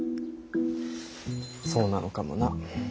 そうなのかもな。